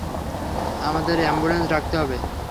আমাদের এম্বুলেন্স ডাকতে হবে।